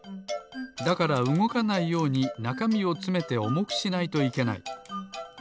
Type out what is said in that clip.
だからうごかないようになかみをつめておもくしないといけない。